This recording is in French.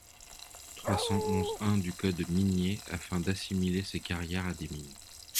trois cent onze-un du code minier afin d’assimiler ces carrières à des mines.